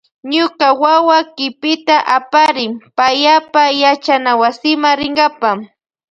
Ñuka wawa kipita aparin payapa yachanawasima rinkapa.